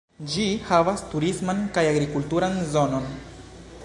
Ĝi havas turisman kaj agrikulturan zonon.